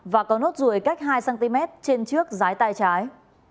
và có nốt ruồi cách hai cm trên trước rái tay trái